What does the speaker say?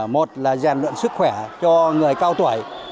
một là giàn lượng sức khỏe cho người cao tuổi